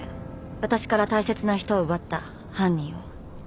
私から大切な人を奪った犯人を。